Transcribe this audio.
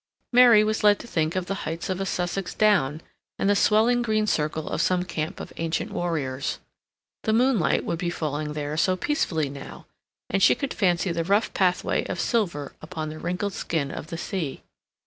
Mary was led to think of the heights of a Sussex down, and the swelling green circle of some camp of ancient warriors. The moonlight would be falling there so peacefully now, and she could fancy the rough pathway of silver upon the wrinkled skin of the sea.